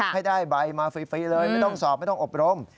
ให้ได้ใบมาฟรีเลยไม่ต้องสอบไม่ต้องอบรม